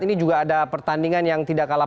ini juga ada pertandingan yang tidak kalah